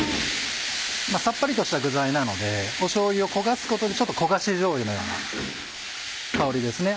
サッパリとした具材なのでしょうゆを焦がすことでちょっと焦がしじょうゆのような香りですね。